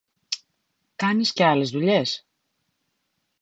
Κάνεις και άλλες δουλειές;